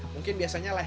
mungkin biasanya leher ya